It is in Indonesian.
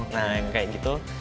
nah yang kayak gitu